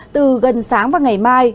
từ gần sáng và ngày mai